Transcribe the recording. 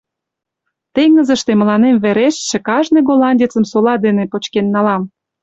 — Теҥызыште мыланем верештше кажне голландецым сола дене почкен налам!